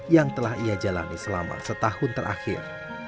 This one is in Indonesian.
yang telah ia jalani selama setahun terakhir